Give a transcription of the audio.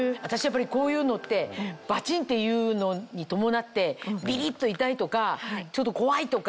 やっぱりこういうのってバチンっていうのに伴ってビリっと痛いとか怖いとか。